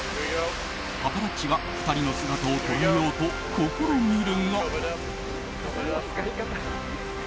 パパラッチが２人の姿を捉えようと試みるが。